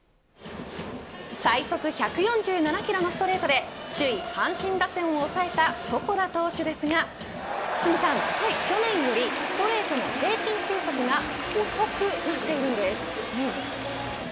最速１４７キロのストレートで首位、阪神打線を抑えた床田投手ですが去年よりストレートの平均球速が遅くなっているんです。